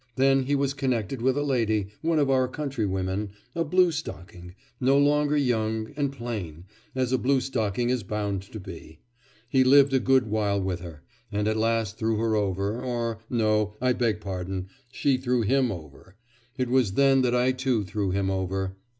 Then he was connected with a lady, one of our countrywomen, a bluestocking, no longer young, and plain, as a bluestocking is bound to be. He lived a good while with her, and at last threw her over or no, I beg pardon, she threw him over. It was then that I too threw him over.